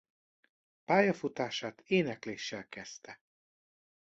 Pályafutását énekléssel kezdte.